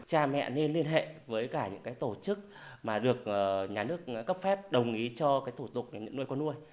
cha mẹ nên liên hệ với cả những tổ chức mà được nhà nước cấp phép đồng ý cho thủ dục những nuôi con nuôi